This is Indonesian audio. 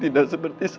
tidak seperti saya